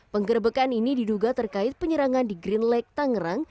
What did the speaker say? penggerbekan ini diduga terkait penyerangan di green lake tangerang